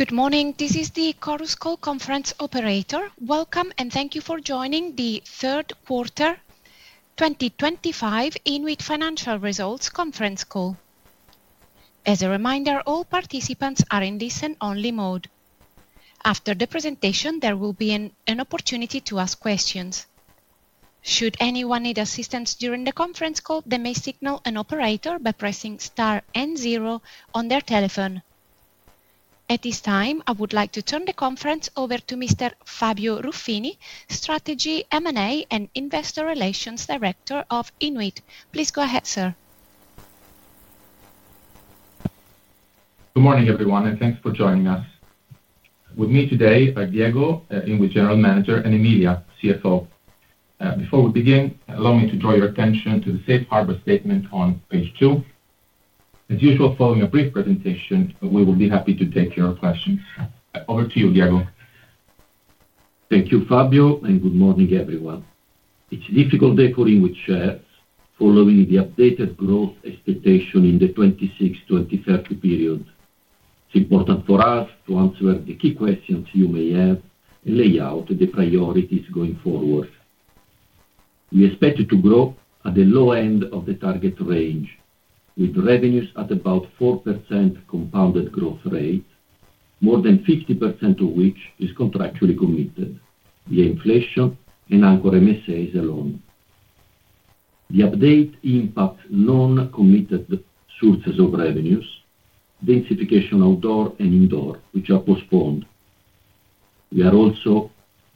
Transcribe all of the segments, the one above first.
Good morning, this is the Chorus Call Conference Operator. Welcome, and thank you for joining the Third Quarter 2025 INWIT Financial Results Conference Call. As a reminder, all participants are in listen-only mode. After the presentation, there will be an opportunity to ask questions. Should anyone need assistance during the conference call, they may signal an operator by pressing *N0 on their telephone. At this time, I would like to turn the conference over to Mr. Fabio Ruffini, Strategy, M&A, and Investor Relations Director of INWIT. Please go ahead, sir. Good morning, everyone, and thanks for joining us. With me today are Diego, INWIT General Manager, and Emilia, CFO. Before we begin, allow me to draw your attention to the Safe Harbor statement on page two. As usual, following a brief presentation, we will be happy to take your questions. Over to you, Diego. Thank you, Fabio, and good morning, everyone. It's a difficult day for INWIT shares, following the updated growth expectation in the 2026-2030 period. It's important for us to answer the key questions you may have and lay out the priorities going forward. We expect to grow at the low end of the target range, with revenues at about 4% compounded growth rate, more than 50% of which is contractually committed, via inflation and anchor MSAs alone. The update impacts non-committed sources of revenues, densification outdoor and indoor, which are postponed. We are also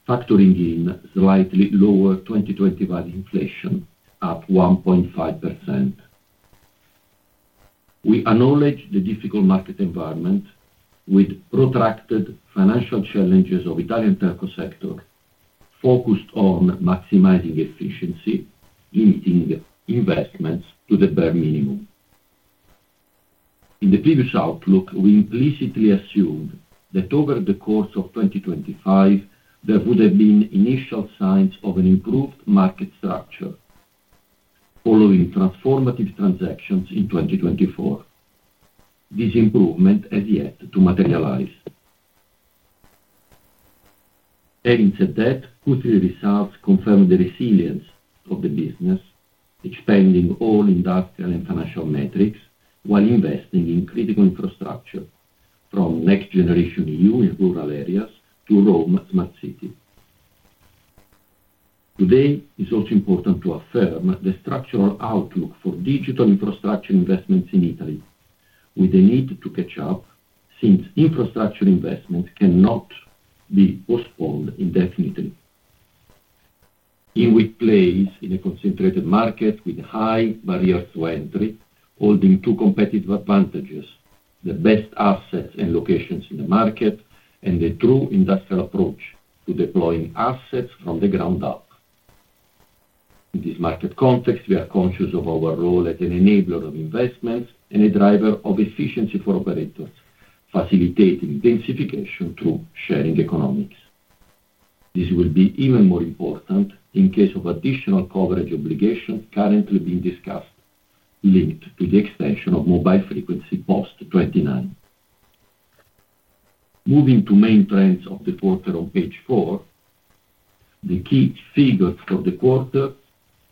factoring in slightly lower 2021 inflation at 1.5%. We acknowledge the difficult market environment, with protracted financial challenges of the Italian telco sector, focused on maximizing efficiency, limiting investments to the bare minimum. In the previous outlook, we implicitly assumed that over the course of 2025, there would have been initial signs of an improved market structure, following transformative transactions in 2024. This improvement has yet to materialize. Having said that, quarterly results confirm the resilience of the business, expanding all industrial and financial metrics while investing in critical infrastructure, from next-generation EU in rural areas to Rome Smart City. Today, it's also important to affirm the structural outlook for digital infrastructure investments in Italy, with the need to catch up since infrastructure investments cannot be postponed indefinitely. INWIT plays in a concentrated market with high barriers to entry, holding two competitive advantages: the best assets and locations in the market and the true industrial approach to deploying assets from the ground up. In this market context, we are conscious of our role as an enabler of investments and a driver of efficiency for operators, facilitating densification through sharing economics. This will be even more important in case of additional coverage obligations currently being discussed, linked to the extension of mobile frequency post-2029. Moving to main trends of the quarter on page four, the key figures for the quarter: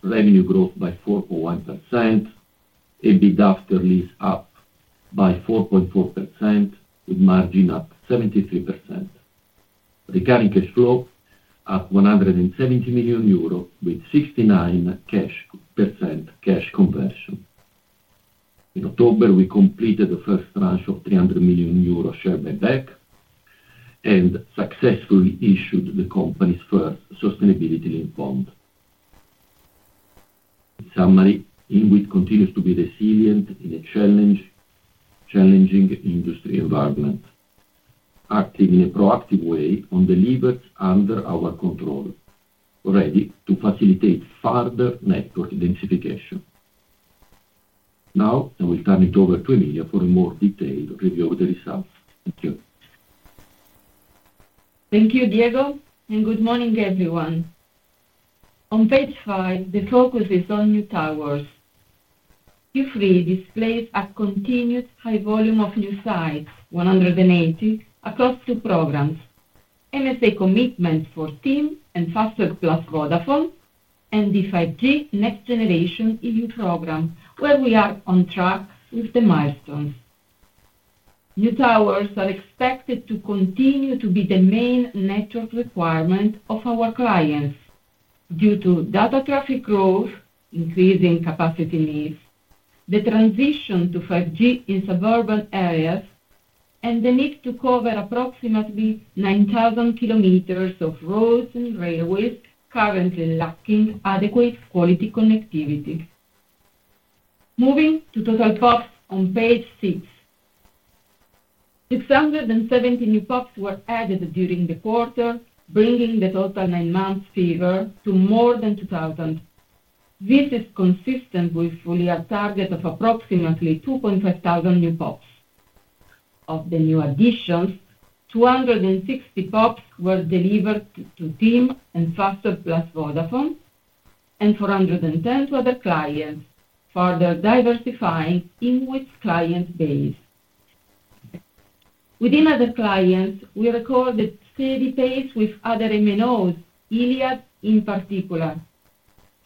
revenue growth by 4.1%, EBITDAaL is up by 4.4%, with margin up 73%. Recurring cash flow at 170 million euro, with 69% cash conversion. In October, we completed the first tranche of 300 million euro share buyback and successfully issued the company's first sustainability link bond. In summary, INWIT continues to be resilient in a challenging industry environment, acting in a proactive way on the levers under our control, ready to facilitate further network densification. Now, I will turn it over to Emilia for a more detailed review of the results. Thank you. Thank you, Diego, and good morning, everyone. On page five, the focus is on New Towers. Q3 displays a continued high volume of new sites, 180, across two programs: MSA commitment for TIM and Fastweb + Vodafone, and the 5G Next Generation EU program, where we are on track with the milestones. New towers are expected to continue to be the main network requirement of our clients due to data traffic growth, increasing capacity needs, the transition to 5G in suburban areas, and the need to cover approximately 9,000 km of roads and railways currently lacking adequate quality connectivity. Moving to total PoPs on page six, 670 new PoPs were added during the quarter, bringing the total nine-month figure to more than 2,000. This is consistent with a target of approximately 2.5 thousand new PoPs. Of the new additions, 260 PoPs were delivered to TIM and Fastweb + Vodafone, and 410 to other clients, further diversifying INWIT's client base. Within other clients, we recorded steady pace with other MNOs, Iliad in particular,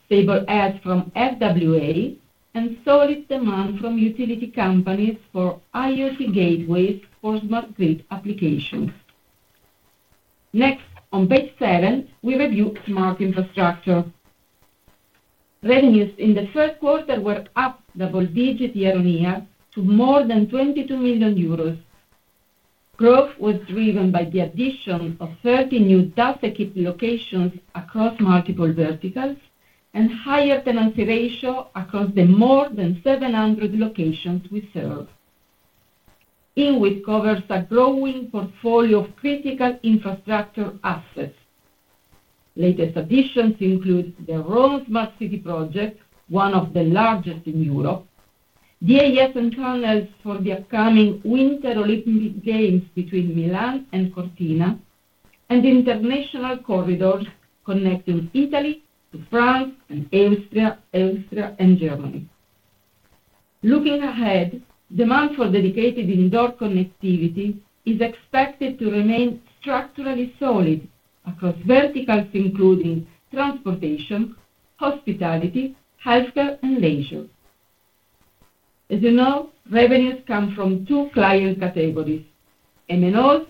stable ads from FWA, and solid demand from utility companies for IoT gateways for smart grid applications. Next, on page seven, we review smart infrastructure. Revenues in the third quarter were up double-digit year-on-year to more than 22 million euros. Growth was driven by the addition of 30 new data kit locations across multiple verticals and higher tenancy ratio across the more than 700 locations we served. INWIT covers a growing portfolio of critical infrastructure assets. Latest additions include the Roma Smart City project, one of the largest in Europe, DAS and tunnels for the upcoming Winter Olympic Games between Milan and Cortina, and the international corridors connecting Italy to France and Austria and Germany. Looking ahead, demand for dedicated indoor connectivity is expected to remain structurally solid across verticals including transportation, hospitality, healthcare, and leisure. As you know, revenues come from two client categories: MNOs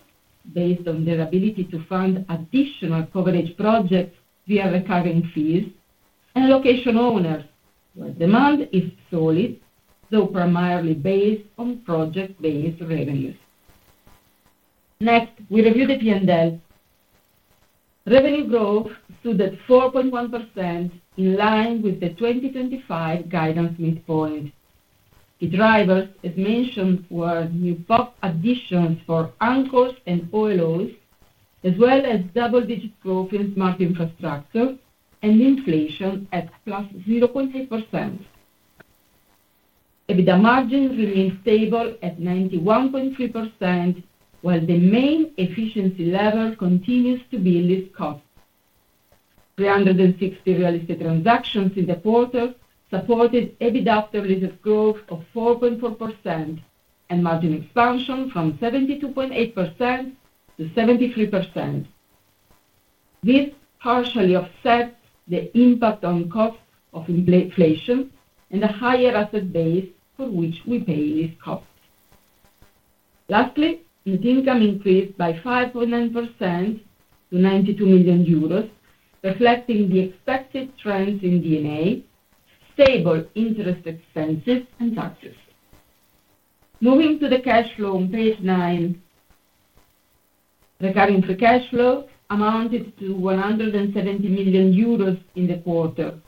based on their ability to fund additional coverage projects via recurring fees, and location owners, where demand is solid, though primarily based on project-based revenues. Next, we review the P&L. Revenue growth stood at 4.1%, in line with the 2025 guidance midpoint. The drivers, as mentioned, were new PoP additions for anchors and OLOs, as well as double-digit growth in smart infrastructure and inflation at +0.8%. EBITDA margins remain stable at 91.3%, while the main efficiency level continues to be lease cost. 360 real estate transactions in the quarter supported EBITDAaL growth of 4.4% and margin expansion from 72.8% to 73%. This partially offsets the impact on cost of inflation and a higher asset base for which we pay lease cost. Lastly, net income increased by 5.9% to 92 million euros, reflecting the expected trends in DNA, stable interest expenses, and taxes. Moving to the cash flow on page nine, recurring free cash flow amounted to 170 million euros in the quarter,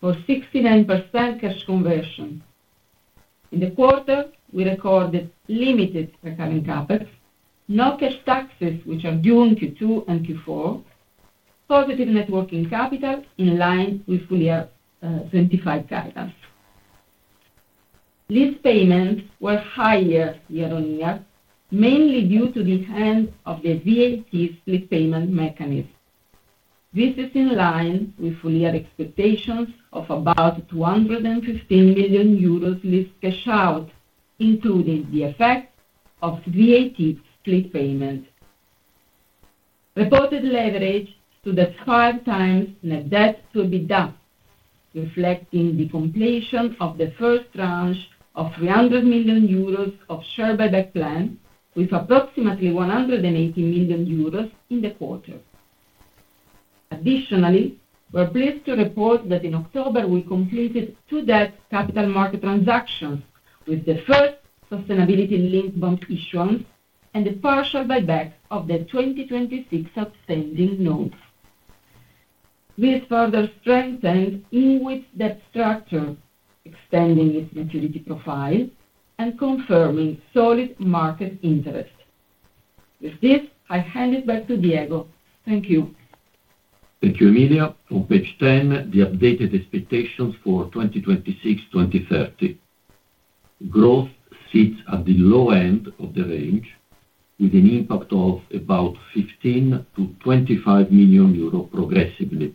for 69% cash conversion. In the quarter, we recorded limited recurring CapEx, no cash taxes which are due in Q2 and Q4, positive networking capital in line with fully identified capitals. Lease payments were higher year-on-year, mainly due to the hands of the VAT split payment mechanism. This is in line with full-year expectations of about 215 million euros lease cash out, including the effect of VAT split payment. Reported leverage stood at 5x net debt to EBITDA, reflecting the completion of the first tranche of 300 million euros of share buyback plan, with approximately 180 million euros in the quarter. Additionally, we're pleased to report that in October, we completed two debt capital market transactions with the first sustainability link bond issuance and the partial buyback of the 2026 outstanding notes. This further strengthened INWIT's debt structure, extending its maturity profile and confirming solid market interest. With this, I hand it back to Diego. Thank you. Thank you, Emilia. On page ten, the updated expectations for 2026-2030. Growth sits at the low end of the range, with an impact of about 15 million-25 million euros progressively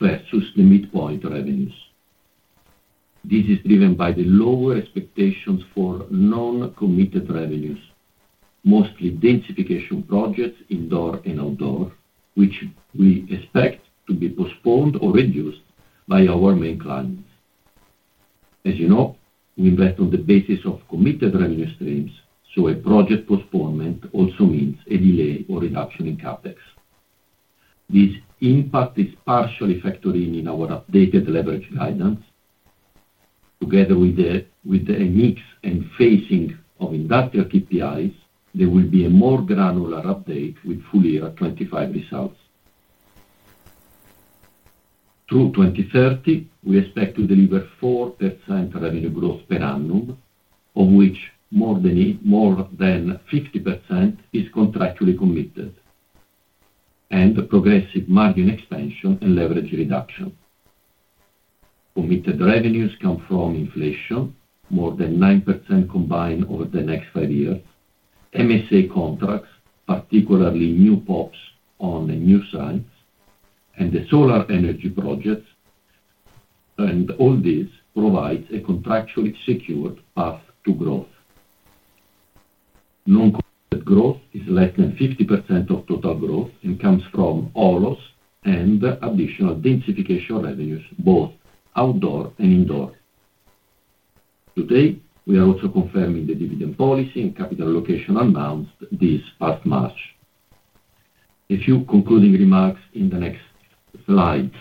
versus the midpoint revenues. This is driven by the lower expectations for non-committed revenues, mostly densification projects indoor and outdoor, which we expect to be postponed or reduced by our main clients. As you know, we invest on the basis of committed revenue streams, so a project postponement also means a delay or reduction in CapEx. This impact is partially factored in in our updated leverage guidance. Together with the mix and phasing of industrial KPIs, there will be a more granular update with full-year 2025 results. Through 2030, we expect to deliver 4% revenue growth per annum, of which more than 50% is contractually committed, and progressive margin expansion and leverage reduction. Committed revenues come from inflation, more than 9% combined over the next five years, MSA contracts, particularly new PoPs on new sites, and the solar energy projects, and all this provides a contractually secured path to growth. Non-committed growth is less than 50% of total growth and comes from OLOs and additional densification revenues, both outdoor and indoor. Today, we are also confirming the dividend policy and capital allocation announced this past March. A few concluding remarks in the next slides.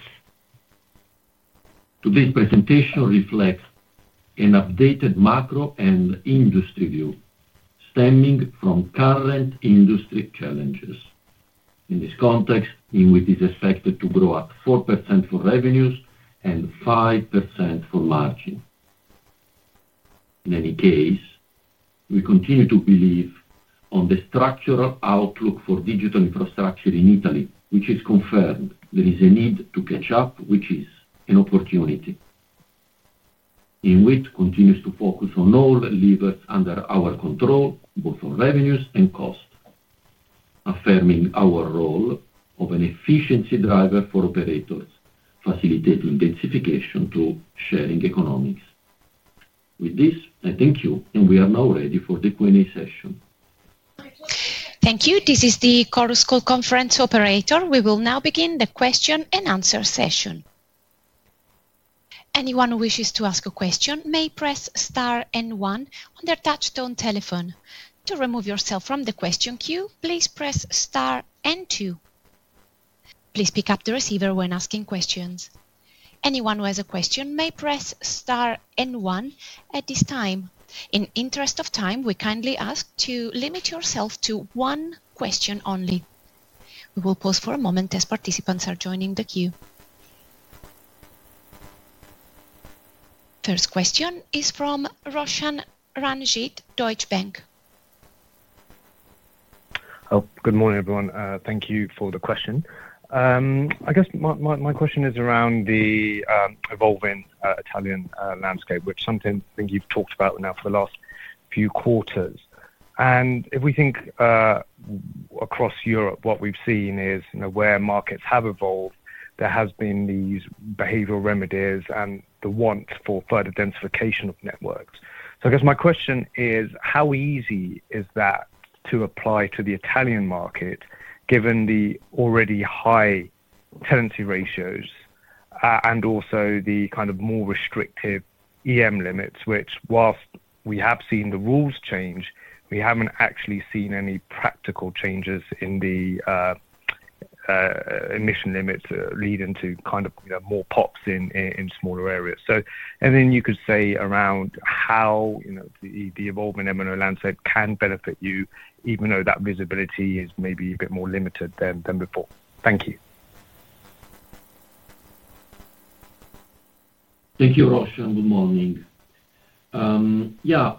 Today's presentation reflects an updated macro and industry view, stemming from current industry challenges. In this context, INWIT is expected to grow at 4% for revenues and 5% for margin. In any case, we continue to believe in the structural outlook for digital infrastructure in Italy, which is confirmed. There is a need to catch up, which is an opportunity. INWIT continues to focus on all levers under our control, both on revenues and cost, affirming our role of an efficiency driver for operators, facilitating densification through sharing economics. With this, I thank you, and we are now ready for the Q&A session. Thank you. This is the Chorus Call Conference operator. We will now begin the question-and-answer session. Anyone who wishes to ask a question may press star and one on their touch-tone telephone. To remove yourself from the question queue, please press star and two. Please pick up the receiver when asking questions. Anyone who has a question may press star and one at this time. In interest of time, we kindly ask to limit yourself to one question only. We will pause for a moment as participants are joining the queue. First question is from Roshan Ranjit, Deutsche Bank. Good morning, everyone. Thank you for the question. I guess my question is around the evolving Italian landscape, which I think you've talked about now for the last few quarters. If we think across Europe, what we've seen is where markets have evolved, there have been these behavioral remedies and the want for further densification of networks. I guess my question is, how easy is that to apply to the Italian market, given the already high tenancy ratios and also the kind of more restrictive EM limits, which, whilst we have seen the rules change, we haven't actually seen any practical changes in the emission limits leading to kind of more PoPs in smaller areas? You could say around how the evolving MNO landscape can benefit you, even though that visibility is maybe a bit more limited than before. Thank you. Thank you, Roshan. Good morning. Yeah,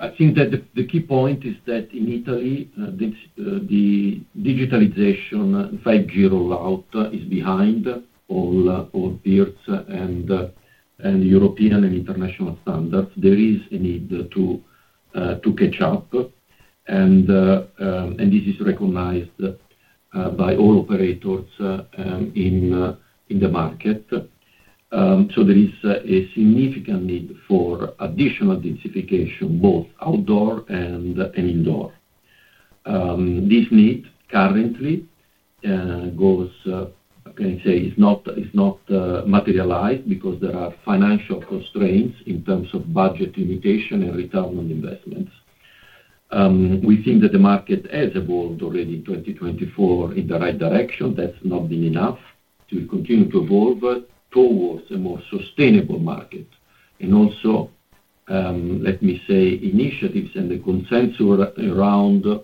I think that the key point is that in Italy, the digitalization, 5G rollout is behind all peers and European and international standards. There is a need to catch up, and this is recognized by all operators in the market. There is a significant need for additional densification, both outdoor and indoor. This need currently, I can say, is not materialized because there are financial constraints in terms of budget limitation and return on investments. We think that the market has evolved already in 2024 in the right direction. That has not been enough to continue to evolve towards a more sustainable market. Also, let me say, initiatives and the consensus around the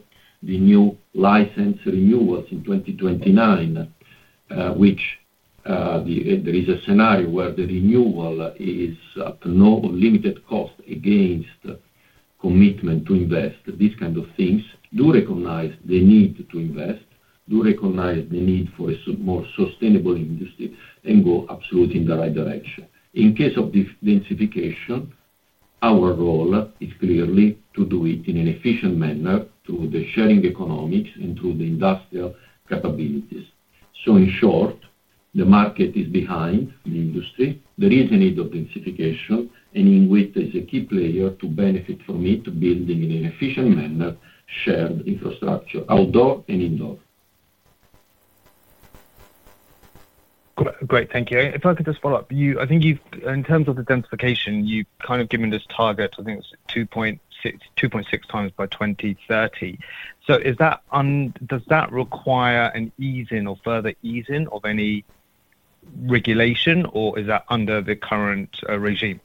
new license renewals in 2029, in which there is a scenario where the renewal is at no limited cost against commitment to invest. These kind of things do recognize the need to invest, do recognize the need for a more sustainable industry, and go absolutely in the right direction. In case of densification, our role is clearly to do it in an efficient manner through the sharing economics and through the industrial capabilities. In short, the market is behind the industry. There is a need of densification, and INWIT is a key player to benefit from it, building in an efficient manner shared infrastructure, outdoor and indoor. Great. Thank you. If I could just follow up, I think in terms of the densification, you've kind of given this target, I think it's 2.6x by 2030. Does that require an ease-in or further ease-in of any regulation, or is that under the current regime?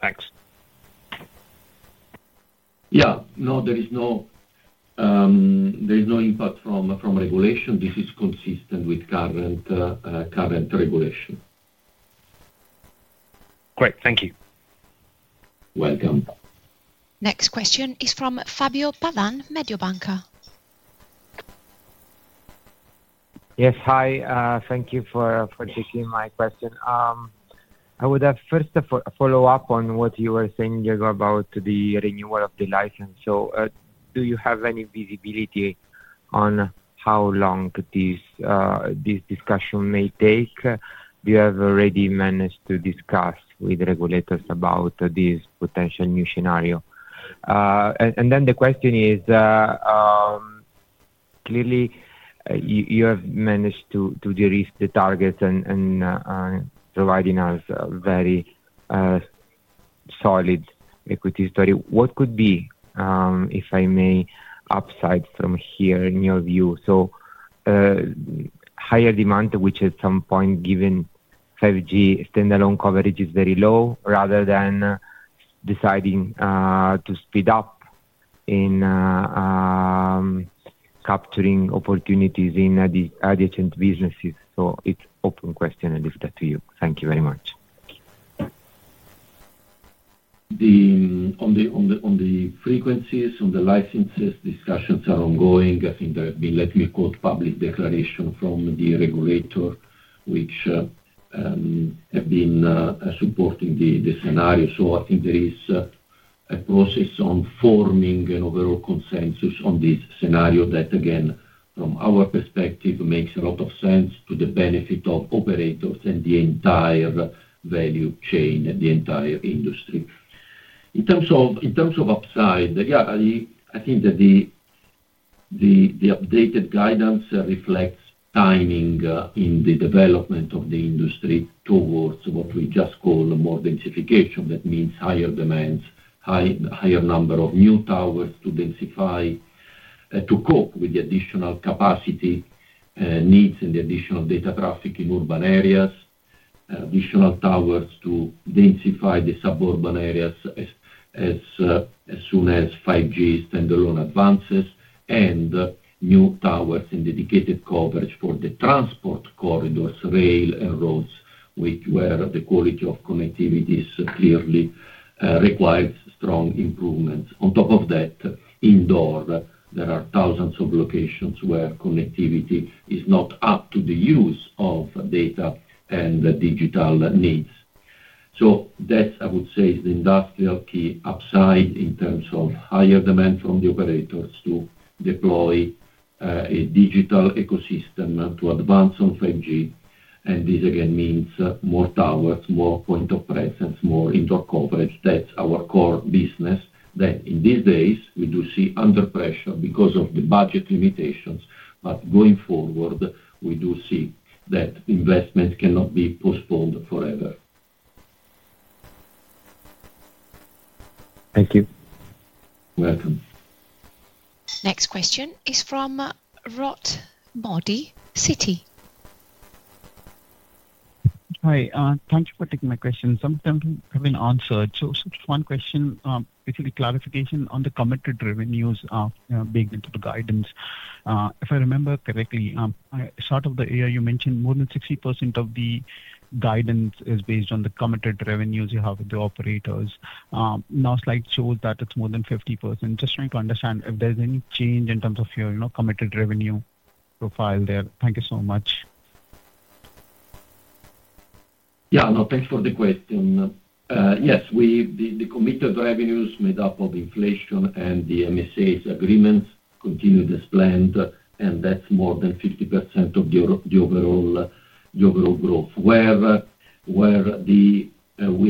Thanks. Yeah. No, there is no impact from regulation. This is consistent with current regulation. Great. Thank you. Welcome. Next question is from Fabio Pavan, Mediobanca. Yes, hi. Thank you for taking my question. I would have first followed up on what you were saying, Diego, about the renewal of the license. Do you have any visibility on how long this discussion may take? Have you already managed to discuss with regulators about this potential new scenario? The question is, clearly, you have managed to derisk the targets and provide us a very solid equity story. What could be, if I may, upside from here in your view? Higher demand, which at some point, given 5G standalone coverage, is very low, rather than deciding to speed up in capturing opportunities in adjacent businesses. It is an open question and I leave that to you. Thank you very much. On the frequencies, on the licenses, discussions are ongoing. I think there have been, let me quote, public declaration from the regulator, which have been supporting the scenario. I think there is a process on forming an overall consensus on this scenario that, again, from our perspective, makes a lot of sense to the benefit of operators and the entire value chain and the entire industry. In terms of upside, yeah, I think that the updated guidance reflects timing in the development of the industry towards what we just call more densification. That means higher demands, higher number of new towers to densify, to cope with the additional capacity needs and the additional data traffic in urban areas, additional towers to densify the suburban areas as soon as 5G standalone advances, and new towers and dedicated coverage for the transport corridors, rail and roads, where the quality of connectivity clearly requires strong improvements. On top of that, indoor, there are thousands of locations where connectivity is not up to the use of data and digital needs. That, I would say, is the industrial key upside in terms of higher demand from the operators to deploy a digital ecosystem to advance on 5G. This, again, means more towers, more point of presence, more indoor coverage. That is our core business. In these days, we do see under pressure because of the budget limitations, but going forward, we do see that investment cannot be postponed forever. Thank you. Welcome. Next question is from Rohit Modi, Citi. Hi. Thank you for taking my question. Some of them have been answered. Just one question, basically clarification on the committed revenues being into the guidance. If I remember correctly, I started the area you mentioned, more than 60% of the guidance is based on the committed revenues you have with the operators. Now, slide shows that it is more than 50%. Just trying to understand if there is any change in terms of your committed revenue profile there. Thank you so much. Yeah. No, thank you for the question. Yes, the committed revenues made up of inflation and the MSAs agreements continue as planned, and that's more than 50% of the overall growth. Where we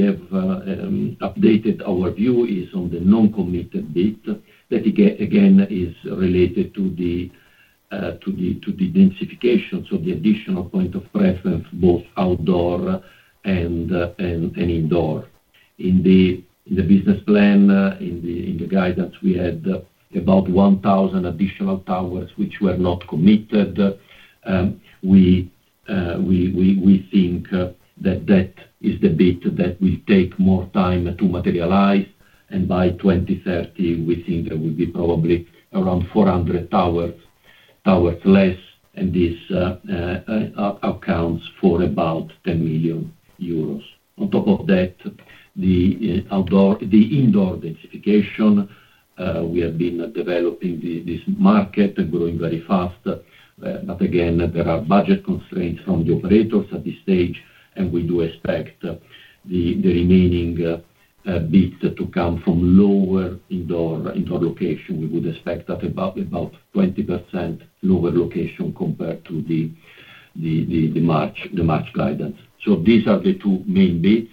have updated our view is on the non-committed bit, that again is related to the densification, so the additional point of preference, both outdoor and indoor. In the business plan, in the guidance, we had about 1,000 additional towers which were not committed. We think that that is the bit that will take more time to materialize. By 2030, we think there will be probably around 400 towers less, and this accounts for about 10 million euros. On top of that, the indoor densification, we have been developing this market, growing very fast. Again, there are budget constraints from the operators at this stage, and we do expect the remaining bit to come from lower indoor location. We would expect about 20% lower location compared to the March guidance. These are the two main bits: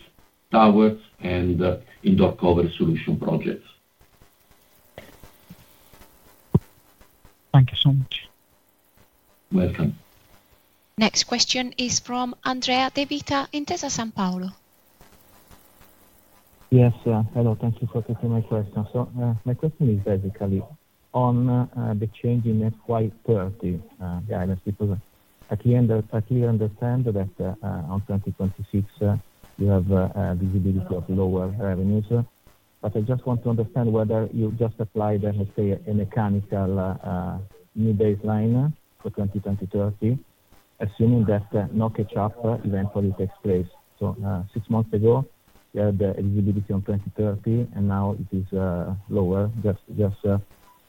towers and indoor cover solution projects. Thank you so much. Welcome. Next question is from Andrea de Vita, Intesa Sanpaolo. Yes. Hello. Thank you for taking my question. My question is basically on the change in FY 2030 guidance, because I clearly understand that on 2026, you have visibility of lower revenues. I just want to understand whether you just applied, let's say, a mechanical new baseline for 2020-2030, assuming that no catch-up eventually takes place. Six months ago, you had the visibility on 2030, and now it is lower. Just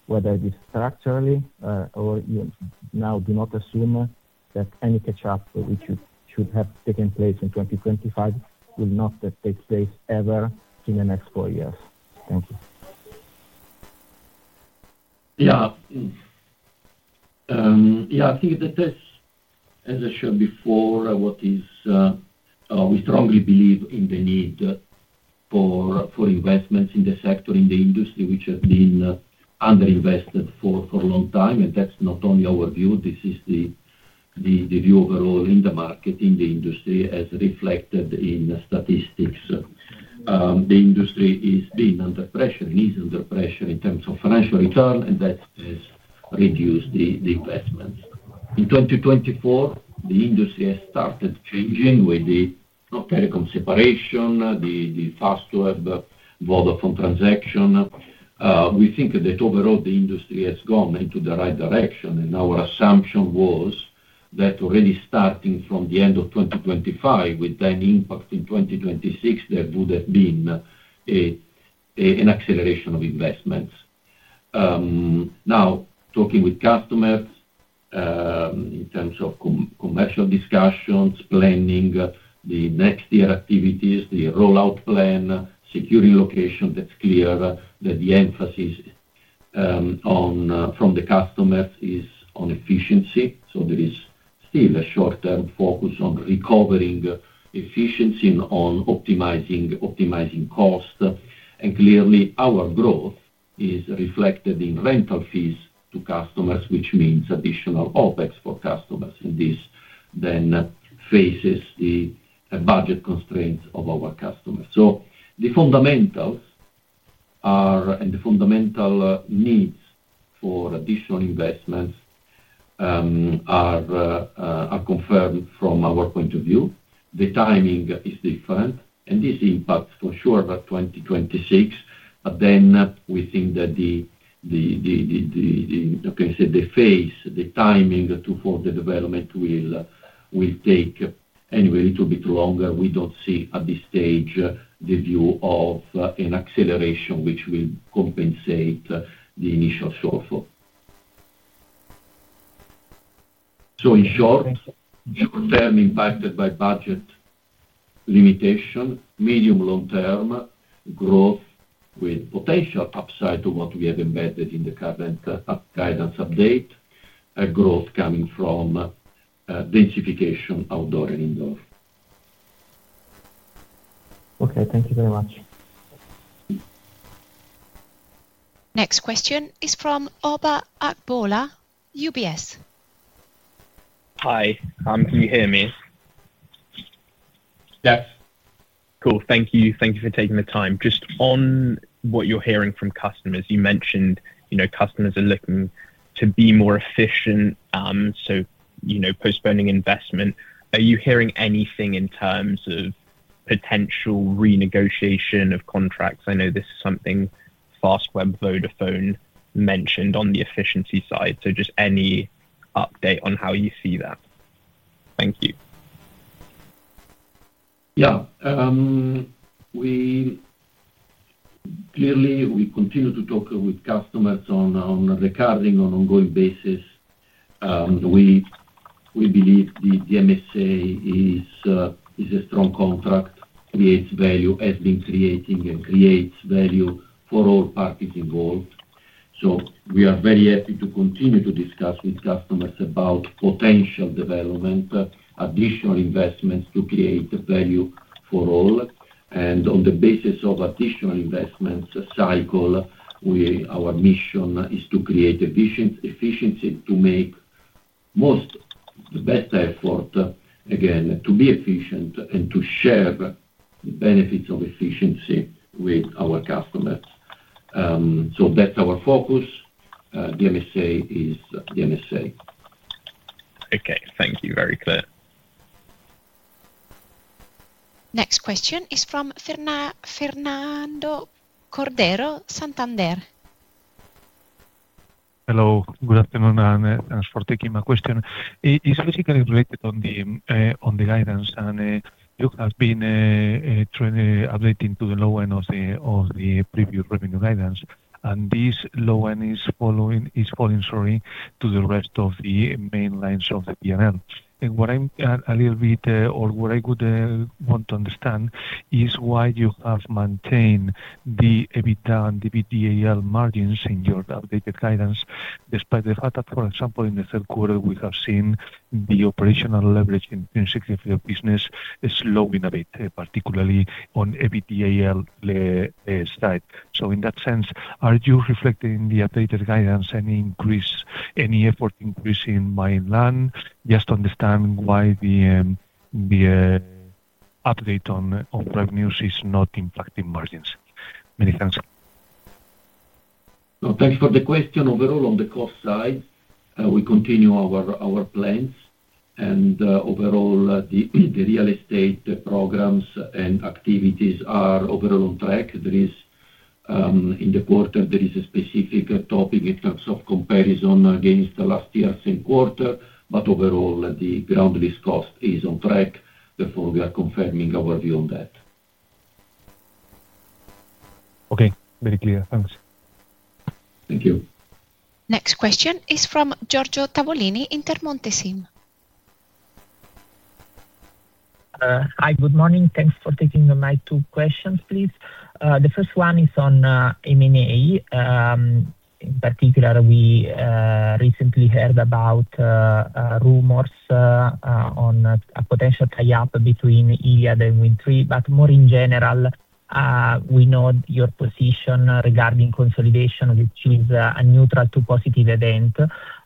whether it is structurally or you now do not assume that any catch-up, which should have taken place in 2025, will not take place ever in the next four years. Thank you. Yeah. Yeah, I think that there's, as I shared before, what is we strongly believe in the need for investments in the sector, in the industry, which has been underinvested for a long time. And that's not only our view. This is the view overall in the market, in the industry, as reflected in statistics. The industry is being under pressure and is under pressure in terms of financial return, and that has reduced the investments. In 2024, the industry has started changing with the telecom separation, the Fastweb, Vodafone transaction. We think that overall, the industry has gone into the right direction. Our assumption was that already starting from the end of 2025, with then impact in 2026, there would have been an acceleration of investments. Now, talking with customers in terms of commercial discussions, planning the next year activities, the rollout plan, securing location, it's clear that the emphasis from the customers is on efficiency. There is still a short-term focus on recovering efficiency and on optimizing costs. Clearly, our growth is reflected in rental fees to customers, which means additional OpEx for customers, and this then faces the budget constraints of our customers. The fundamentals and the fundamental needs for additional investments are confirmed from our point of view. The timing is different, and this impacts for sure 2026. We think that the, how can I say, the phase, the timing for the development will take anyway a little bit longer. We don't see at this stage the view of an acceleration which will compensate the initial shortfall. In short, short-term impacted by budget limitation, medium-long-term growth with potential upside to what we have embedded in the current guidance update, growth coming from densification outdoor and indoor. Okay. Thank you very much. Next question is from [Omer Akbulut], UBS. Hi. Can you hear me? Yes. Cool. Thank you. Thank you for taking the time. Just on what you're hearing from customers, you mentioned customers are looking to be more efficient, so postponing investment. Are you hearing anything in terms of potential renegotiation of contracts? I know this is something Fastweb, Vodafone mentioned on the efficiency side. Just any update on how you see that? Thank you. Yeah. Clearly, we continue to talk with customers on a recurring, on an ongoing basis. We believe the MSA is a strong contract, creates value, has been creating, and creates value for all parties involved. We are very happy to continue to discuss with customers about potential development, additional investments to create value for all. On the basis of additional investments cycle, our mission is to create efficiency, to make the best effort, again, to be efficient and to share the benefits of efficiency with our customers. That is our focus. The MSA is. The MSA. Okay. Thank you. Very clear. Next question is from Fernando Cordero, Santander. Hello. Good afternoon, and thanks for taking my question. It's basically related on the guidance, and you have been updating to the low end of the previous revenue guidance. This low end is falling, sorry, to the rest of the main lines of the P&L. What I'm a little bit, or what I would want to understand, is why you have maintained the EBITDA and EBITDAaL margins in your updated guidance, despite the fact that, for example, in the third quarter, we have seen the operational leverage in 63% of business slowing a bit, particularly on EBITDAaL side. In that sense, are you reflecting in the updated guidance any effort increasing by land? Just to understand why the update on revenues is not impacting margins. Many thanks. No, thank you for the question. Overall, on the cost side, we continue our plans. Overall, the real estate programs and activities are overall on track. In the quarter, there is a specific topic in terms of comparison against last year's same quarter. Overall, the ground risk cost is on track. Therefore, we are confirming our view on that. Okay. Very clear. Thanks. Thank you. Next question is from Giorgio Tavolini at Intermonte SIM. Hi. Good morning. Thanks for taking my two questions, please. The first one is on M&A. In particular, we recently heard about rumors on a potential tie-up between Iliad and Wind Tre. In general, we know your position regarding consolidation, which is a neutral to positive event.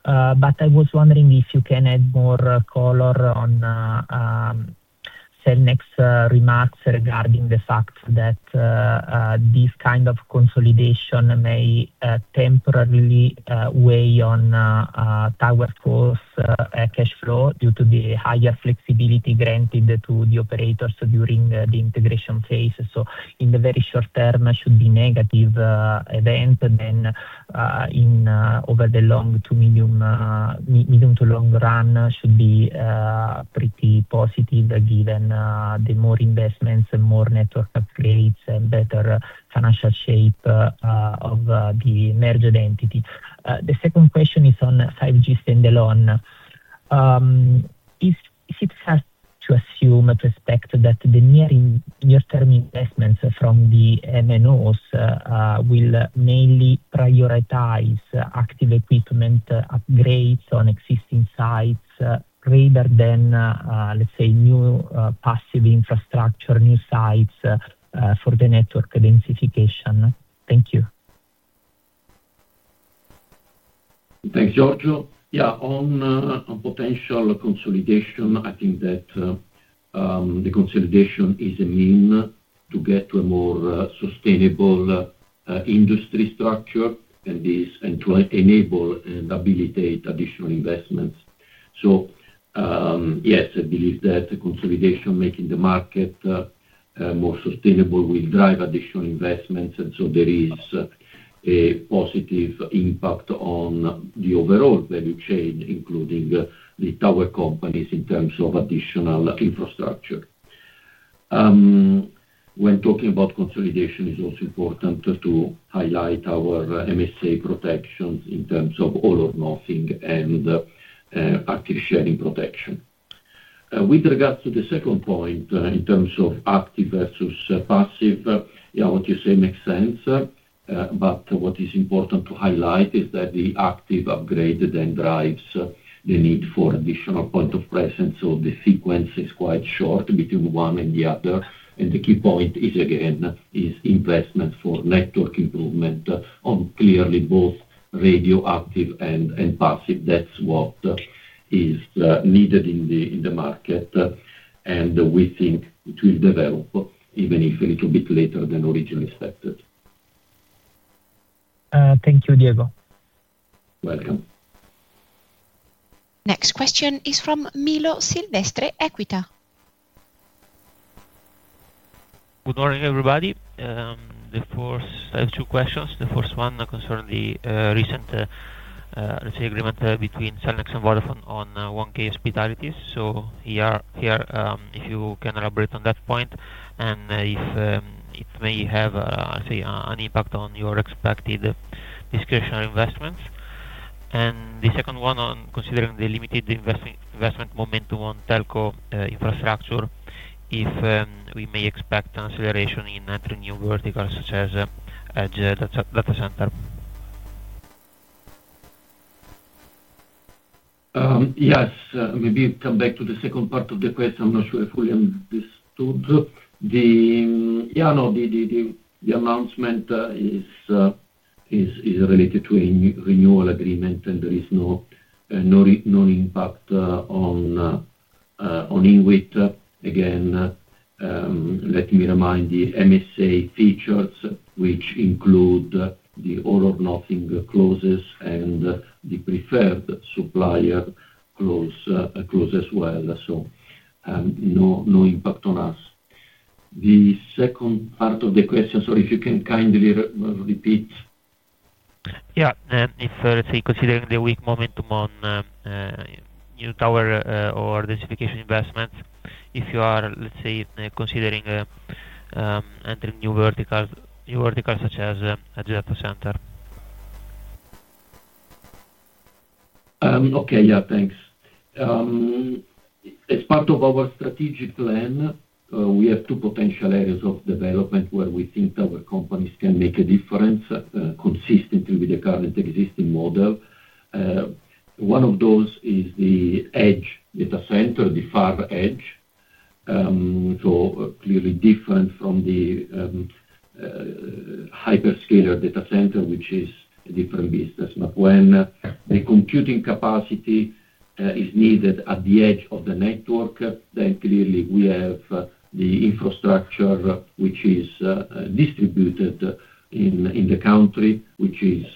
I was wondering if you can add more color on Cellnex's remarks regarding the fact that this kind of consolidation may temporarily weigh on tower cost cash flow due to the higher flexibility granted to the operators during the integration phase. In the very short term, it should be a negative event. Over the medium to long run, it should be pretty positive given the more investments and more network upgrades and better financial shape of the merged entity. The second question is on 5G standalone. Is it fair to assume to expect that the near-term investments from the MNOs will mainly prioritize active equipment upgrades on existing sites rather than, let's say, new passive infrastructure, new sites for the network densification? Thank you. Thanks, Giorgio. Yeah. On potential consolidation, I think that the consolidation is a means to get to a more sustainable industry structure and to enable and abilitate additional investments. Yes, I believe that consolidation making the market more sustainable will drive additional investments. There is a positive impact on the overall value chain, including the tower companies in terms of additional infrastructure. When talking about consolidation, it is also important to highlight our MSA protections in terms of all-or-nothing and active sharing protection. With regards to the second point, in terms of active versus passive, yeah, what you say makes sense. What is important to highlight is that the active upgrade then drives the need for additional point of presence. The sequence is quite short between one and the other. The key point is, again, is investment for network improvement on clearly both radioactive and passive. That is what is needed in the market. We think it will develop, even if a little bit later than originally expected. Thank you, Diego. Welcome. Next question is from Milo Silvestre, Equita. Good morning, everybody. I have two questions. The first one concerns the recent agreement between Cellnex and Vodafone on 1,000 hospitalities. If you can elaborate on that point and if it may have, I'd say, an impact on your expected discretionary investments. The second one, considering the limited investment momentum on telco infrastructure, if we may expect acceleration in entering new verticals such as edge data center. Yes. Maybe come back to the second part of the question. I'm not sure I fully understood. Yeah. No, the announcement is related to a renewal agreement, and there is no impact on INWIT. Again, let me remind the MSA features, which include the all-or-nothing clauses and the preferred supplier clause as well. No impact on us. The second part of the question, sorry, if you can kindly repeat. Yeah. If, let's say, considering the weak momentum on new tower or densification investments, if you are, let's say, considering entering new verticals such as edge data center. Okay. Yeah. Thanks. As part of our strategic plan, we have two potential areas of development where we think our companies can make a difference consistently with the current existing model. One of those is the edge data center, the far edge. Clearly different from the hyperscaler data center, which is a different business. When the computing capacity is needed at the edge of the network, then clearly we have the infrastructure which is distributed in the country, which is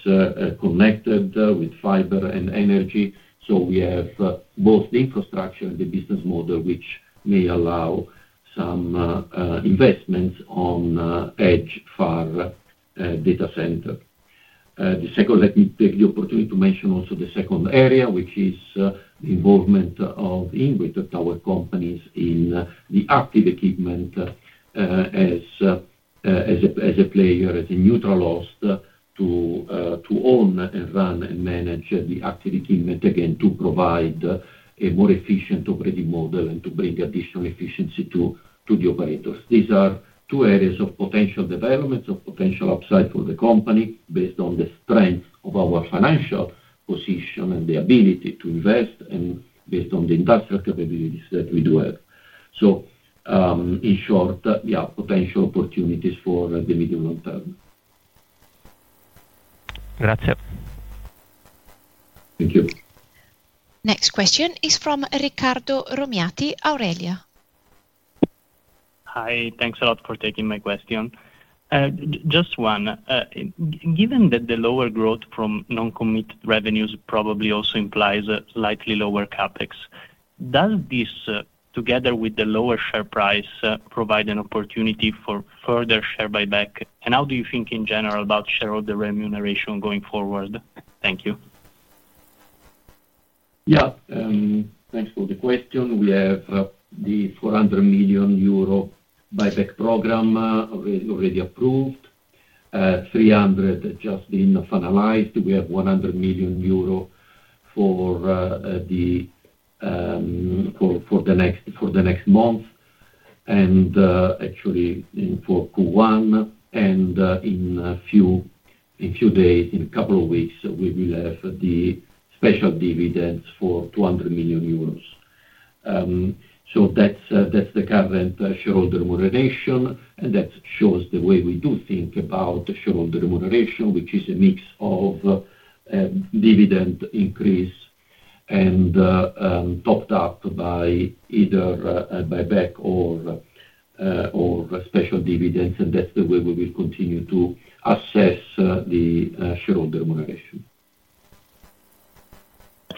connected with fiber and energy. We have both the infrastructure and the business model, which may allow some investments on edge far data center. The second, let me take the opportunity to mention also the second area, which is the involvement of INWIT with other companies in the active equipment as a player, as a neutral host to own and run and manage the active equipment, again, to provide a more efficient operating model and to bring additional efficiency to the operators. These are two areas of potential development, of potential upside for the company based on the strength of our financial position and the ability to invest and based on the industrial capabilities that we do have. In short, yeah, potential opportunities for the medium long term. Grazie. Thank you. Next question is from [Riccardo Romiati], Aurelia. Hi. Thanks a lot for taking my question. Just one. Given that the lower growth from non-commit revenues probably also implies slightly lower CapEx, does this, together with the lower share price, provide an opportunity for further share buyback? How do you think in general about shareholder remuneration going forward? Thank you. Yeah. Thanks for the question. We have the 400 million euro buyback program already approved, 300 million just been finalized. We have 100 million euro for the next month and actually for Q1. In a few days, in a couple of weeks, we will have the special dividends for 200 million euros. That is the current shareholder remuneration. That shows the way we do think about shareholder remuneration, which is a mix of dividend increase and topped up by either buyback or special dividends. That is the way we will continue to assess the shareholder remuneration.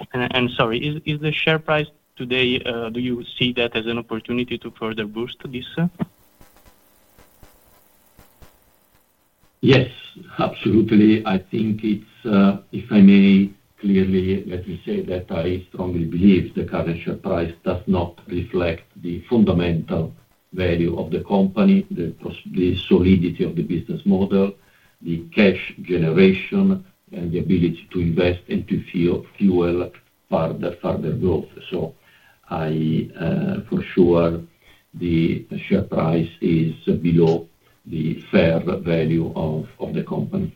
Is the share price today, do you see that as an opportunity to further boost this? Yes. Absolutely. I think it's, if I may, clearly, let me say that I strongly believe the current share price does not reflect the fundamental value of the company, the solidity of the business model, the cash generation, and the ability to invest and to fuel further growth. For sure, the share price is below the fair value of the company.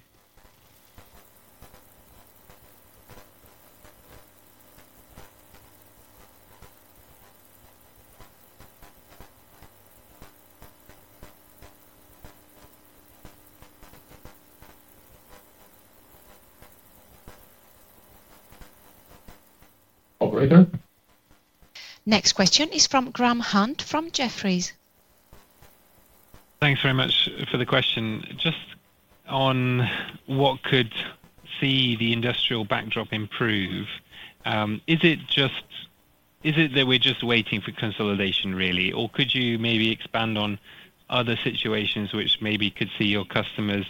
Operator? Next question is from Graham Hunt from Jefferies. Thanks very much for the question. Just on what could see the industrial backdrop improve, is it that we're just waiting for consolidation, really? Could you maybe expand on other situations which maybe could see your customers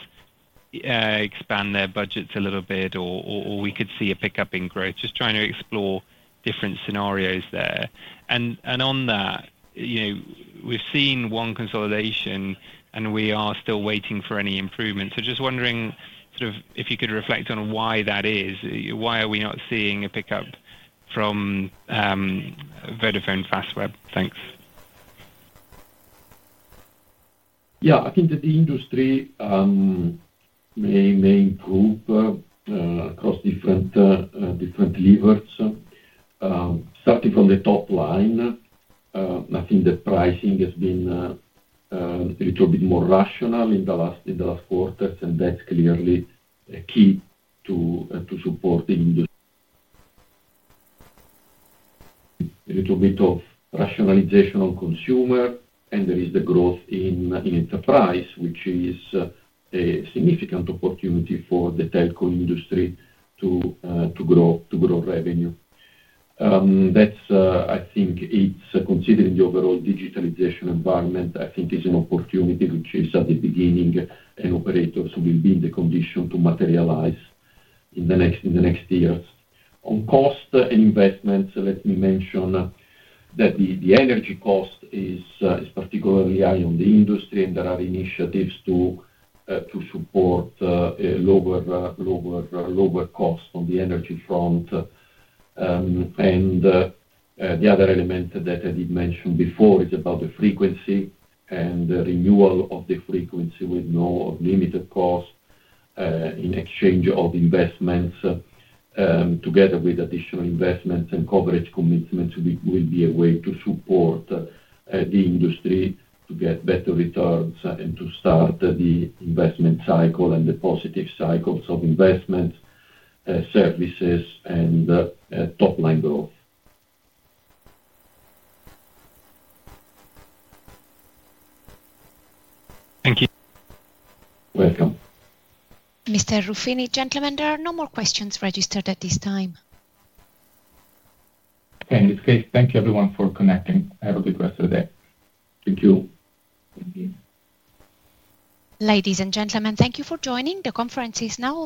expand their budgets a little bit, or we could see a pickup in growth? Just trying to explore different scenarios there. On that, we've seen one consolidation, and we are still waiting for any improvements. Just wondering sort of if you could reflect on why that is. Why are we not seeing a pickup from Vodafone Fastweb? Thanks. Yeah. I think that the industry may improve across different levers. Starting from the top line, I think the pricing has been a little bit more rational in the last quarters. That is clearly key to support the industry. A little bit of rationalization on consumer. There is the growth in enterprise, which is a significant opportunity for the telco industry to grow revenue. I think considering the overall digitalization environment, I think it's an opportunity which is at the beginning, and operators will be in the condition to materialize in the next years. On cost and investments, let me mention that the energy cost is particularly high in the industry, and there are initiatives to support lower costs on the energy front. The other element that I did mention before is about the frequency and renewal of the frequency with no limited cost in exchange of investments, together with additional investments and coverage commitments, will be a way to support the industry to get better returns and to start the investment cycle and the positive cycles of investments, services, and top-line growth. Thank you. Welcome. Mr. Ruffini, gentlemen, there are no more questions registered at this time. Okay. In this case, thank you, everyone, for connecting. Have a good rest of the day. Thank you. Ladies and gentlemen, thank you for joining. The conference is now.